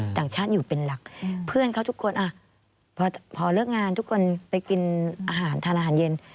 ต่างชาติอยู่เป็นหลักเพื่อนเขาทุกคนพอเลิกงานทุกคนไปกินอาหารทานอาหารเย็น